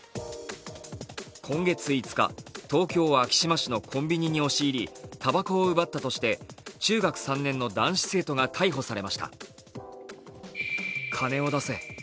今月５日、東京・昭島市のコンビニに押し入りたばこを奪ったとして中学３年の男子生徒が逮捕されました。